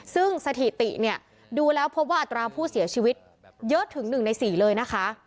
ซึ่งสถิติเนี่ยดูแล้วพบว่าอัตราผู้เสียชีวิตเยอะถึง๑ใน๔เลยนะคะ